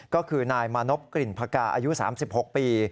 ก็คือนายมานพกลิ่นพกาอายุ๓๖ปี